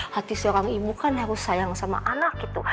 hati seorang ibu kan harus sayang sama anak gitu